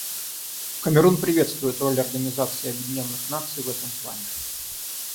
Камерун приветствует роль Организации Объединенных Наций в этом плане.